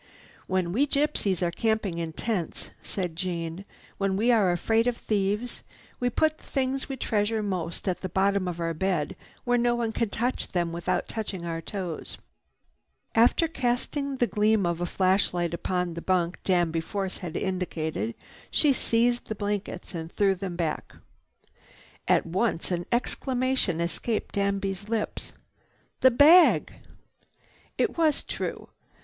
"When we gypsies are camping in tents," said Jeanne, "when we are afraid of thieves, we put the things we treasure most at the bottom of our bed where no one can touch them without touching our toes." After casting the gleam of a flashlight upon the bunk Danby Force had indicated, she seized the blankets and threw them back. At once an exclamation escaped Danby's lips: "The bag!" It was true.